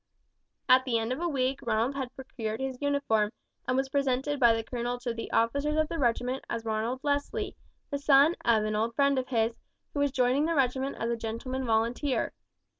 At the end of a week Ronald had procured his uniform, and was presented by the colonel to the officers of the regiment as Ronald Leslie, the son of an old friend of his, who was joining the regiment as a gentleman volunteer.